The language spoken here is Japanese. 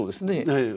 ええ。